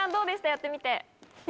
やってみて。